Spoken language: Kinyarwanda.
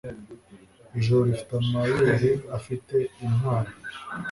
Ijuru rifite amabere afite intwaro